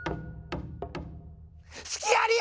すきあり！